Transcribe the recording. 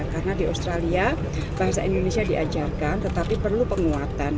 karena di australia bahasa indonesia diajarkan tetapi perlu penguatan